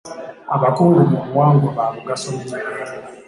Abakungu mu buwangwa ba mugaso nnyo.